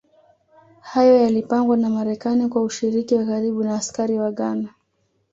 Hayo yalipangwa na Marekani kwa ushiriki wa karibu na askari wa Ghana